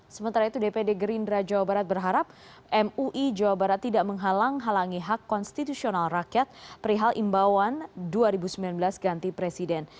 sementara itu dpd gerindra jawa barat berharap mui jawa barat tidak menghalang halangi hak konstitusional rakyat perihal imbauan dua ribu sembilan belas ganti presiden